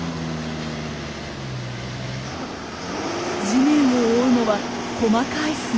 地面を覆うのは細かい砂。